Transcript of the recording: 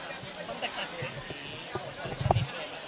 ความแตกต่างคืออะไร